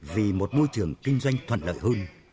vì một môi trường kinh doanh thuận lợi hơn